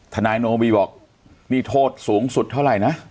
นายโนบีบอกนี่โทษสูงสุดเท่าไหร่นะ